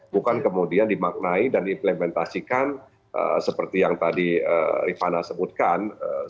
bukan kemudian dimaknai dan diimplementasikan seperti yang tadi rifana sebutkan